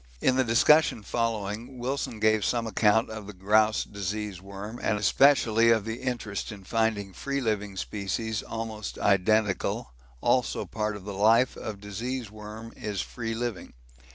In the discussion following Wilson gave some account of the grouse disease worm, and especially of the interest in finding free living species almost identical; also part of the life of disease worm is free living.